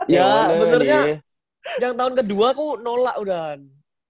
ya benernya yang tahun ke dua aku nolak udahan